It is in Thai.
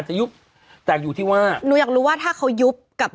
ฮ่าฮ่าฮ่าฮ่าฮ่า